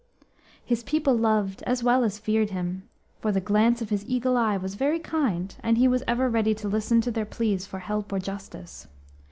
His people loved as well as feared him, for the glance of his eagle eye was very kind, and he was ever ready to listen to their pleas for help or justice.